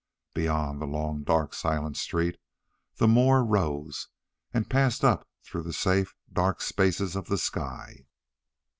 Beyond the long, dark, silent street the moor rose and passed up through the safe, dark spaces of the sky.